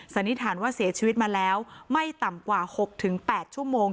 สันนิษฐานว่าเสียชีวิตมาแล้วไม่ต่ำกว่าหกถึงแปดชั่วโมง